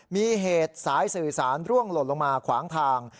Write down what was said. มีเหตุสายสื่อสารร่วงหล่นลงมาขวางทาง